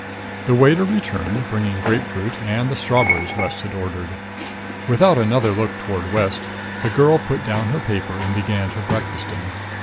The waiter returned, bringing grapefruit, and the strawberries West had ordered. Without another look toward West, the girl put down her paper and began her breakfasting.